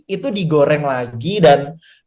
itu digoreng lagi dan